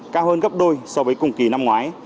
cao hơn gấp đôi so với cùng kỳ năm ngoái